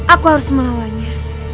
aku harus melawannya